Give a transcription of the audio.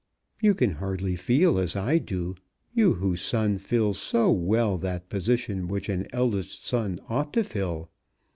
You can hardly feel as I do, you, whose son fills so well that position which an eldest son ought to fill!